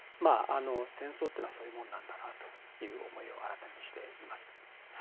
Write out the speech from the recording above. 戦争というのはそういうものなんだなというのを新たにしています。